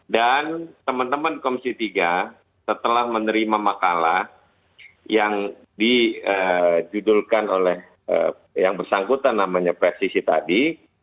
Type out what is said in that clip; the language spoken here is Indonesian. dan teman teman komisi tiga setelah menerima makalah yang dijudulkan oleh yang bersangkutan namanya presisi tadi